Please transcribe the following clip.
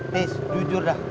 hei jujur dah